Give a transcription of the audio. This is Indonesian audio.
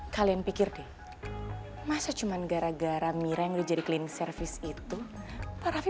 kalian pikir deh masa cuman gara gara mira yang udah jadi clean service itu pak raffi